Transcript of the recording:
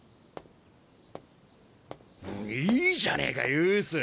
いいじゃねえかユース！